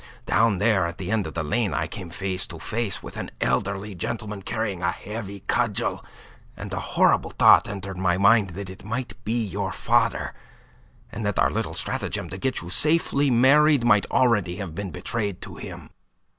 Down there at the end of the lane I came face to face with an elderly gentleman carrying a heavy cudgel, and the horrible thought entered my mind that it might be your father, and that our little stratagem to get you safely married might already have been betrayed to him.